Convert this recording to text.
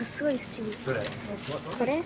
これ。